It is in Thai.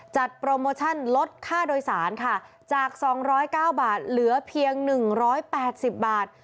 โปรโมชั่นลดค่าโดยสารค่ะจาก๒๐๙บาทเหลือเพียง๑๘๐บาท